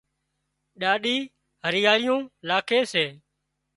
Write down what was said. ڏاڏِي هريئاۯيون لاکي سي